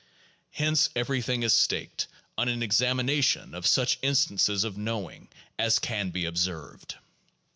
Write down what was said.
Hence everything is staked on an examination of such instances of knowing as can be observed.